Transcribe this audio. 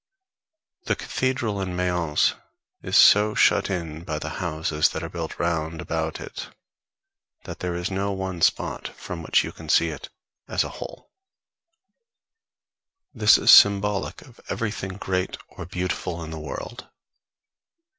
The Cathedral in Mayence is so shut in by the houses that are built round about it, that there is no one spot from which you can see it as a whole. This is symbolic of everything great or beautiful in the world.